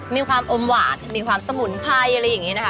มีความอมหวานมีความสมุนไพรอะไรอย่างนี้นะคะ